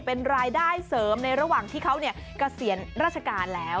เป็นรายได้เสริมในระหว่างที่เขาเกษียณราชการแล้ว